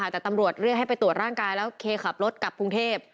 แต่ตำรวจเรียกให้ไปตรวจร่างกายแล้วเคขับรถกลับกรุงเทพ